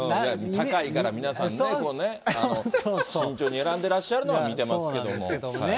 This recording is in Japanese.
高いから皆さんね、こうね、慎重に選んでらっしゃるのは見てますけれども。